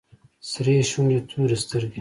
سرې شونډې تورې سترگې.